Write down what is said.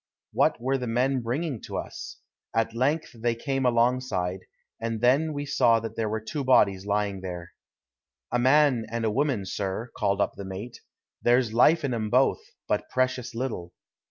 What were the men bringing to us? At length they came alongside, and then we saw that there were two bodies lying there. "A man and a woman, sir," called up the mate. "There's life in 'em both, but precious little."